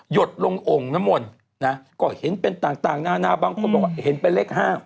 หยดลงองค์นั้นหมดนะก็เห็นเป็นต่างหน้าบางคนบอกว่าเห็นเป็นเลขห้า